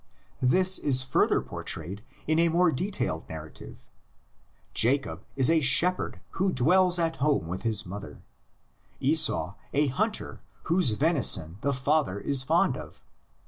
This is further portrayed in a more detailed narrative: Jacob is a shepherd who 58 THE LEGENDS OF GENESIS. dwells at home with his mother, Esau a hunter whose venison the father is fond of.